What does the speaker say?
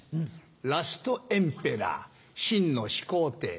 ラストエンペラー秦の始皇帝。